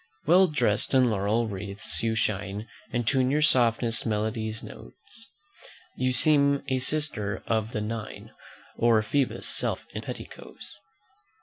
"When dressed in laurel wreaths you shine, And tune your soft melodious notes, You seem a sister of the Nine, Or Phoebus' self in petticoats.